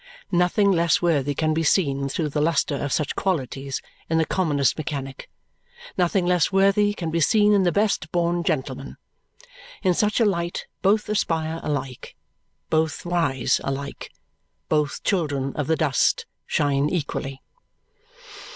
Nothing less worthy can be seen through the lustre of such qualities in the commonest mechanic, nothing less worthy can be seen in the best born gentleman. In such a light both aspire alike, both rise alike, both children of the dust shine equally.